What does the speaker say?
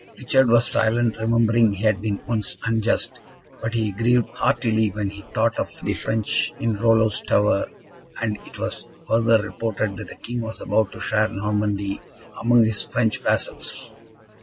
Richard was silent, remembering he had been once unjust, but he grieved heartily when he thought of the French in Rollo's tower, and it was further reported that the King was about to share Normandy among his French vassals.